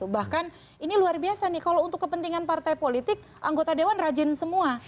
bahkan ini luar biasa nih kalau untuk kepentingan partai politik anggota dewan rajin semua